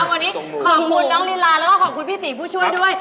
วันนี้ขอบคุณน้องลีลาแล้วก็ขอบคุณพี่ตีผู้ช่วยด้วย